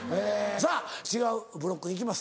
さぁ違うブロック行きます